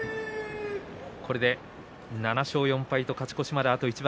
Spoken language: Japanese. これで７勝４敗と勝ち越しまであと一番。